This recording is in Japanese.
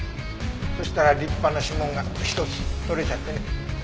そしたら立派な指紋が一つ採れちゃってね。